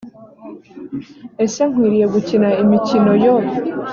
ese nkwiriye gukina imikino yo